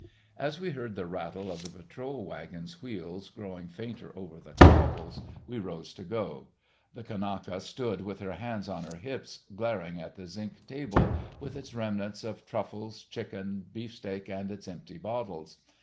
As we heard the rattle of the patrol wagon's wheels growing fainter over the cobbles, we rose to go. The Kanaka stood with her hands on her hips glaring at the zinc table with its remnants of truffle, chicken and beefsteak and its empty bottles.